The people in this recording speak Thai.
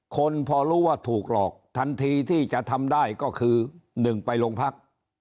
คนพอรู้ว่าถูกหลอกทันทีที่จะทำได้ก็คือ๑ไปโรงพัก